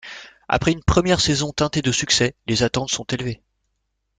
Après une première saison teintée de succès, les attentes sont élevés.